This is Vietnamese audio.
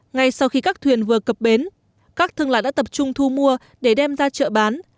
ngay sau khi các thuyền vừa cập bến các thương lái đã tập trung thu mua để đem ra chợ bán